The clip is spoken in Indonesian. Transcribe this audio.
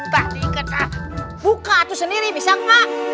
tapi kena buka itu sendiri bisa nggak